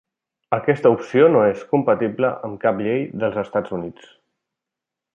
Aquesta opció no és compatible amb cap llei dels Estats Units.